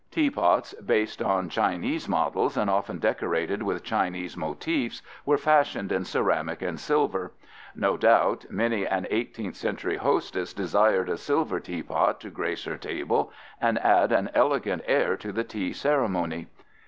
Teapots based on Chinese models and often decorated with Chinese motifs were fashioned in ceramic and silver. No doubt many an 18th century hostess desired a silver teapot to grace her table and add an elegant air to the tea ceremony.